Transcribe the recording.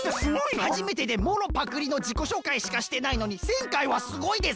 はじめてでもろパクリのじこしょうかいしかしてないのに１０００回はすごいです。